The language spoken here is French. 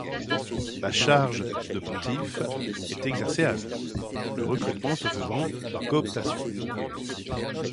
La charge de pontife est exercée à vie, le recrutement se faisant par cooptation.